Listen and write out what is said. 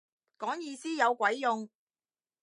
講意思有鬼用